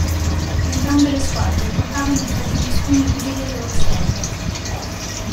Entrambe le squadre contavano fra gli indisponibili le loro stelle.